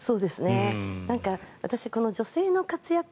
私、女性の活躍